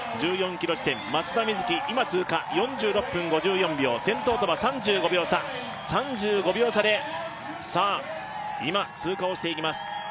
１４ｋｍ地点松田瑞生、今、通過４６分５４秒、先頭とは３５秒差で、今、通過をしていきます。